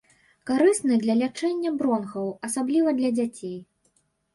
Карысны для лячэння бронхаў, асабліва для дзяцей.